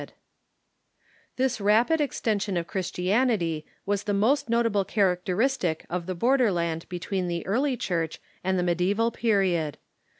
] This rapid extension of Christianity was the most notable characteristic of the border land between the early Church and the mediteval period.